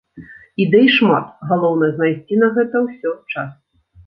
Ідэй шмат, галоўнае знайсці на гэта ўсё час.